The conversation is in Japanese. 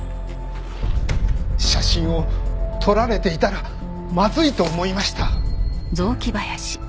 写真を撮られていたらまずいと思いました。